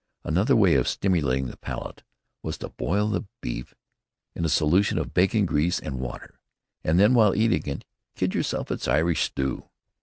Another way of stimulating the palate was to boil the beef in a solution of bacon grease and water, and then, while eating it, "kid yerself that it's Irish stew."